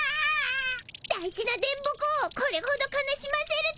大事な電ボ子をこれほど悲しませるとは。